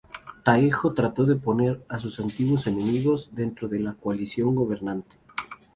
Taejo trató de poner a sus antiguos enemigos dentro de la coalición gobernante.